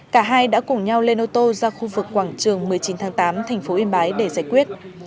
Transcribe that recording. cả hai đã cùng nhau lên ô tô ra khu vực quảng trường một mươi chín tháng tám thành phố yên bái để giải quyết